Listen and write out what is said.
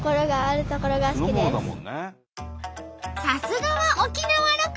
さすがは沖縄ロコ！